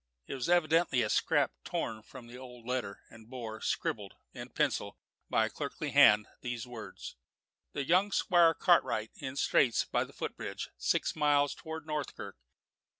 It was evidently a scrap torn from an old letter, and bore, scribbled in pencil by a clerkly hand, these words: "The young Squire Cartwright in straits by the foot bridge, six miles toward Netherkirk.